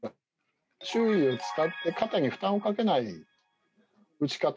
周囲を使って肩に負担をかけない撃ち方。